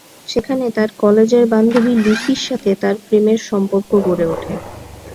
সেখানে তার কলেজের বান্ধবী লুসির সাথে তার প্রেমের সম্পর্ক গড়ে ওঠে।